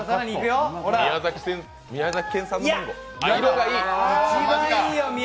宮崎県産のマンゴー。